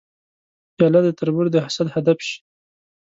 پیاله د تربور د حسد هدف شي.